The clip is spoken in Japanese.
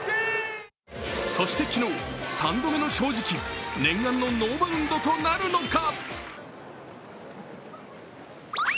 そして、昨日３度目の正直念願のノーバウンドとなるのか。